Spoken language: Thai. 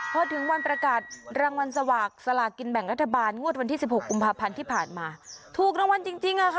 พอถึงวันประกาศรางวัลสลากสลากินแบ่งรัฐบาลงวดวันที่๑๖กุมภาพันธ์ที่ผ่านมาถูกรางวัลจริงจริงอ่ะค่ะ